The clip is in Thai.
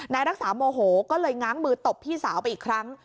รักษาโมโหก็เลยง้างมือตบพี่สาวไปอีกครั้ง